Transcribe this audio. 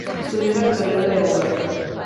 Estudió la carrera de abogado.